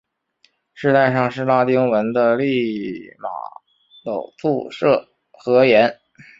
饰带上是拉丁文的利玛窦宿舍格言。